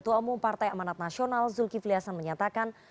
ketua umum partai amanat nasional zulkifli hasan menyatakan